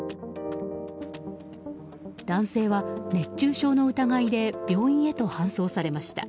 男性は熱中症の疑いで病院へと搬送されました。